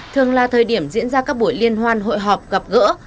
thường là thời điểm diễn ra các buổi liên hoan hội họp gặp gỡ